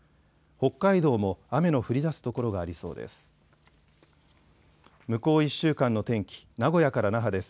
北海道も雨の降りだす所がありそうです。